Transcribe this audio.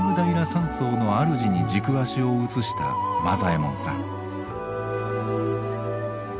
山荘の主に軸足を移した間左エ門さん。